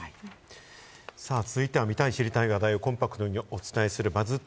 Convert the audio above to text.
続いては見たい知りたい話題をコンパクトにお伝えするＢＵＺＺ